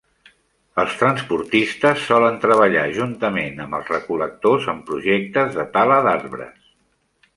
Els transportistes solen treballar juntament amb els recol·lectors en projectes de tala d'arbres.